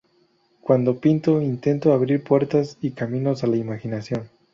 Cuándo pinto, intento abrir puertas y caminos a la imaginación.